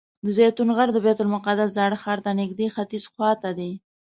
د زیتون غر د بیت المقدس زاړه ښار ته نږدې ختیځ خوا ته دی.